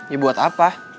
ya buat apa